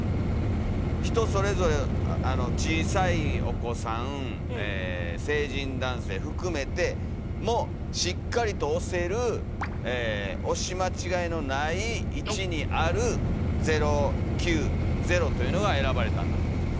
人それぞれ小さいお子さんえ成人男性含めてもしっかりと押せる押し間違いのない位置にある「０９０」というのが選ばれたんだと思います。